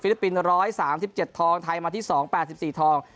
ฟิลิปปินส์ร้อยสามสิบเจ็ดทองไทยมาที่สองแปดสิบสี่ทอง